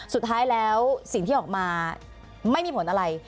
สุดท้ายแล้วสิ่งที่ออกมาไม่มีผลอะไร